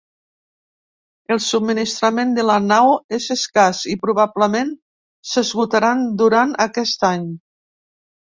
El subministrament de la nau és escàs i probablement s’esgotaran durant aquest any.